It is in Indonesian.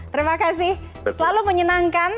terima kasih selalu menyenangkan